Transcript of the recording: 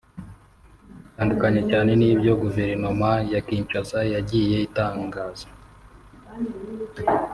bitandukanye cyane n’ibyo Guverinoma ya Kinshasa yagiye itangaza